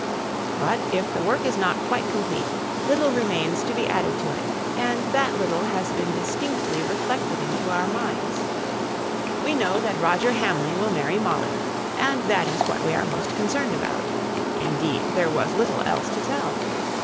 But if the work is not quite complete, little remains to be added to it, and that little has been distinctly reflected into our minds. We know that Roger Hamley will marry Molly, and that is what we are most concerned about. Indeed, there was little else to tell.